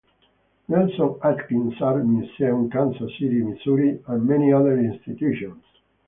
Nelson-Atkins Art Museum, Kansas City, Missouri; and many other institutions.